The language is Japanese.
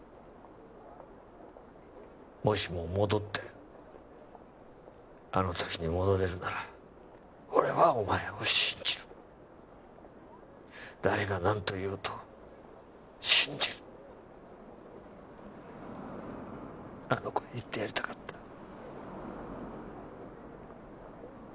もしも戻ってあの時に戻れるなら俺はお前を信じる誰が何と言おうと信じるあの子に言ってやりたかった